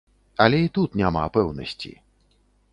Але і тут няма пэўнасці.